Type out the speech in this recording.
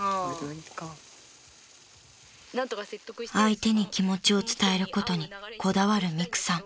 ［相手に気持ちを伝えることにこだわるみくさん］